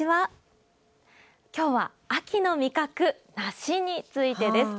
きょうは秋の味覚、梨についてです。